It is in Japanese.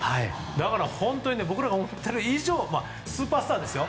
だから本当に僕らが思っている以上にスーパースターですよ。